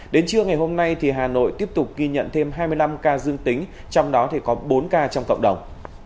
đến trưa ngày hôm nay hà nội tiếp tục ghi nhận thêm hai mươi năm ca dương tính trong đó có bốn ca trong cộng đồng